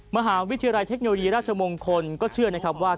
มหาวิทยาลัยเทคโนโลยีราชมงคลก็เชื่อนะครับว่า